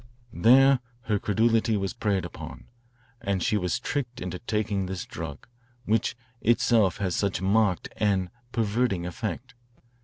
There her credulity was preyed upon, and she was tricked into taking this drug, which itself has such marked and perverting effect.